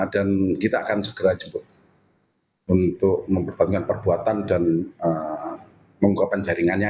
dan kita akan segera jemput untuk memperbaikan perbuatan dan mengungkapkan jaringannya